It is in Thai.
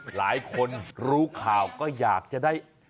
หลายคนรู้ข่าวก็อยากจะได้